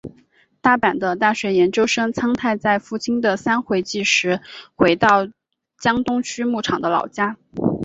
大阪的大学研究生苍太在父亲的三回忌时回到江东区木场的老家。